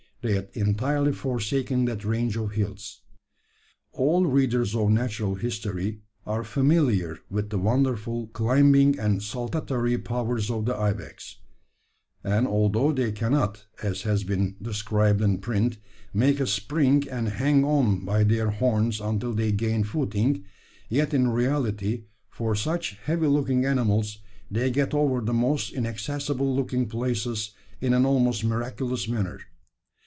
They had entirely forsaken that range of hills. "`All readers of natural history are familiar with the wonderful climbing and saltatory powers of the ibex; and, although they cannot (as has been described in print) make a spring and hang on by their horns until they gain footing, yet in reality, for such heavy looking animals, they get over the most inaccessible looking places in an almost miraculous manner.